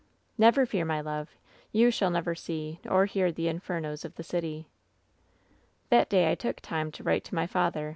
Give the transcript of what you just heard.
" ^Never fear, my love. You shall never see or hear the infernos of the city.^ "That day I took time to write to my father.